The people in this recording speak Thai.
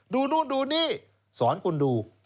ดูนู่นดูนี่สอนคุณดู